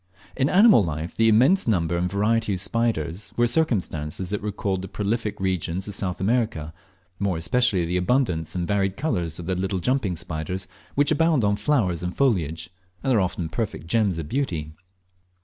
In animal life the immense number and variety of spiders and of lizards were circumstances that recalled the prolific regions of south America, more especially the abundance and varied colours of the little jumping spiders which abound on flowers and foliage, and are often perfect gems of beauty.